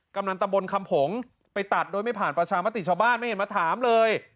กำลังตะบนคำผงไปตัดโดยไม่ผ่านประชามติชาวบ้านไม่เห็นมาถามเลย